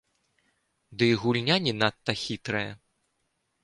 Ды і гульня не надта хітрая.